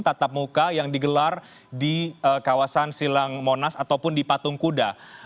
tatap muka yang digelar di kawasan silang monas ataupun di patung kuda